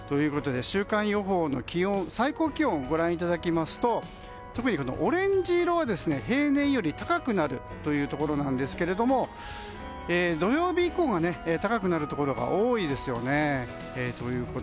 週間予報の最高気温をご覧いただきますと特にオレンジ色は平年より高くなるということですが土曜日以降は高くなるところが多いですよね。